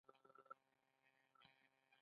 هغه په اوبو کې خپل سیوری ولید.